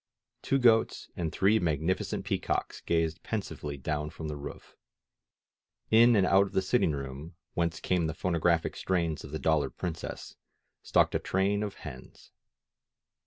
Two goats and three magnificent pea cocks gazed pensively down from the roof. In and out of the sitting room, whence came the phonographic strains of the ^^Dollar Princess," stalked a train of hens.